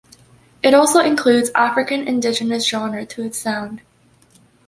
It also includes African Indigenous Genre to its sound.